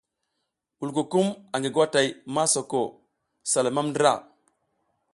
Wulkukum angi gwatay masoko sa lumam ndra.